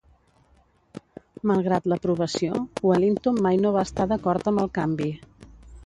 Malgrat l'aprovació, Wellington mai no va estar d'acord amb el canvi.